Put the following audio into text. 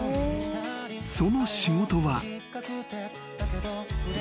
［その仕事は］